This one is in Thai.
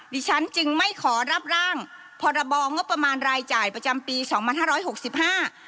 ดิฉันจึงไม่ขอรับร่างพรบงบประมาณรายจ่ายประจำปีสองพันห้าร้อยหกสิบห้า